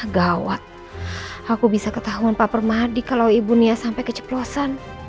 gawat aku bisa ketahuan pak permadi kalau ibu nia sampai keceplosan